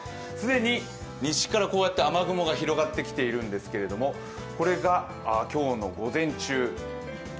既に西からこうやって雨雲が広がってきているんですけどこれが今日の午前中。